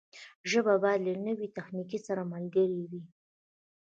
ژبه باید له نوي تخنیک سره ملګرې وي.